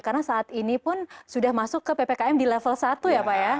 karena saat ini pun sudah masuk ke ppkm di level satu ya pak ya